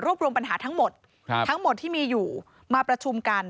รวบรวมปัญหาทั้งหมดที่มีอยู่มาประชุมกัน